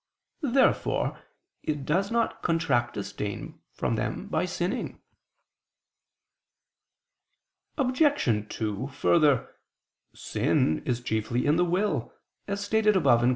Therefore it does not contract a stain from them by sinning. Obj. 2: Further, sin is chiefly in the will, as stated above (Q.